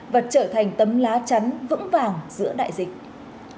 và trở thành tấm lá chắn vững vàng giữa đại dịch